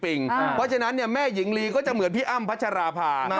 เพราะฉะนั้นแม่หญิงลีก็จะเหมือนพี่อ้ำพัชราภา